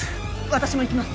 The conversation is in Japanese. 私も行きます